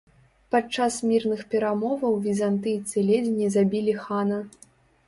Падчас мірных перамоваў візантыйцы ледзь не забілі хана.